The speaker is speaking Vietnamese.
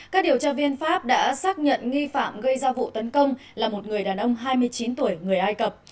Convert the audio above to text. các điều tra viên pháp đã xác nhận nghi phạm gây ra vụ tấn công là một người đàn ông hai mươi chín tuổi người ai cập